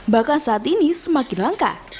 bahkan saat ini semakin langka